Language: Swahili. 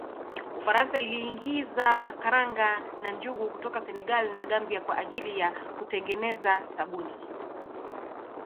Ufaransa iliingiza karanga na njugu kutoka Senegal na Gambia kwa ajili ya kutengeneza sabuni